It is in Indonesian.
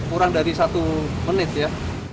kurang dari satu menit ya